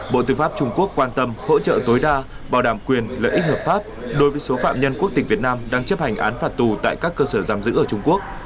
bộ tư pháp trung quốc quan tâm hỗ trợ tối đa bảo đảm quyền lợi ích hợp pháp đối với số phạm nhân quốc tịch việt nam đang chấp hành án phạt tù tại các cơ sở giam giữ ở trung quốc